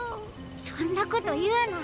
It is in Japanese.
そんなこというな。